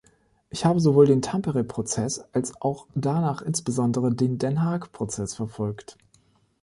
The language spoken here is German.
Ich habe sowohl den Tampere-Prozess als auch danach insbesondere den Den-Haag-Prozess verfolgt.